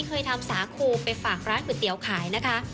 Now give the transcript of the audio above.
เคยทำสาคูไปฝากร้านก๋วยเตี๋ยวขายนะคะ